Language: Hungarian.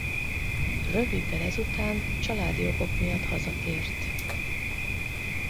Röviddel ezután családi okok miatt hazatért.